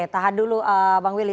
tahan dulu bang willy